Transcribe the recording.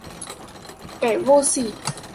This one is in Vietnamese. kẻ vô sỉ